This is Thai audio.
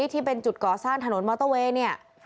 ที่เป็นจุดก่อสร้างถนนมอเตอร์เวย์เนี่ย